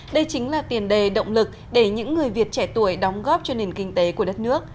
đây chính là tiền đề động lực để những người việt trẻ tuổi đóng góp cho nền kinh tế của đất nước